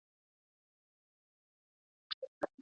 آیا له رنسانس سره اشنایې لرئ؟